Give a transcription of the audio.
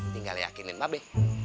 tinggal yakinin babe